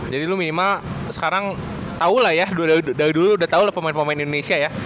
jadi lu minimal sekarang tau lah ya dari dulu udah tau lah pemain pemain indonesia ya